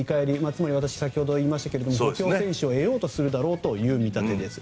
つまり、先ほど言いましたが補強選手を得ようとするだろうという見立てです。